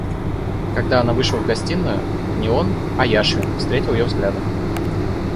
Когда она вышла в гостиную, не он, а Яшвин встретил ее взглядом.